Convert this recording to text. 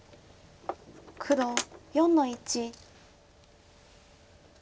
黒４の一。